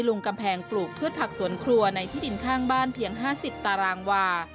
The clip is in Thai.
ลงกำแพงปลูกพืชผักสวนครัวในที่ดินข้างบ้านเพียง๕๐ตารางวา